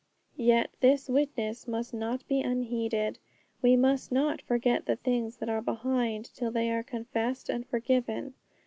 Yet this witness must not be unheeded. We must not forget the things that are behind till they are confessed and forgiven.